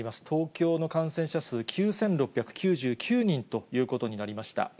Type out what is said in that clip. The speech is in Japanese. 東京の感染者数、９６９９人ということになりました。